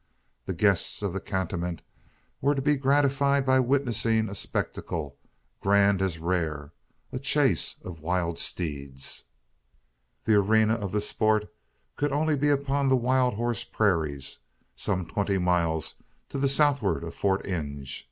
The guests of the cantonment were to be gratified by witnessing a spectacle grand as rare a chase of wild steeds! The arena of the sport could only be upon the wild horse prairies some twenty miles to the southward of Fort Inge.